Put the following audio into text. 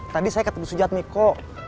tadi saya ketemu sujat miko